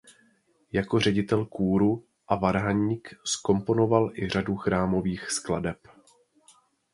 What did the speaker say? Jako ředitel kůru a varhaník zkomponoval i řadu chrámových skladeb.